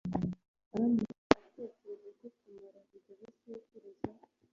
aramutse atekereje ko kumara ibyo bisekuruza